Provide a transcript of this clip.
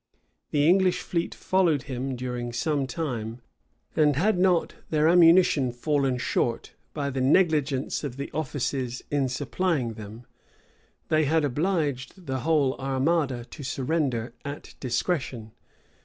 The English fleet followed him during some time; and had not their ammunition fallen short, by the negligence of the offices in supplying them, they had obliged the whole armada to surrender at discretion.